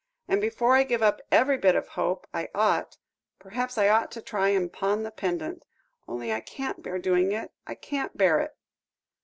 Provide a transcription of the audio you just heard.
And before I give up every bit of hope, I ought perhaps I ought to try and pawn the pendant, only I can't bear doing it. I can't bear it."